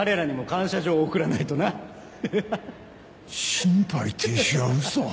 心肺停止は嘘。